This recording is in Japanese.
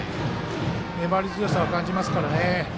粘り強さを感じますからね。